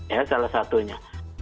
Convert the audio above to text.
ya salah satunya